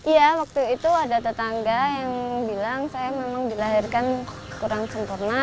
iya waktu itu ada tetangga yang bilang saya memang dilahirkan kurang sempurna